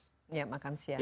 ya makan siang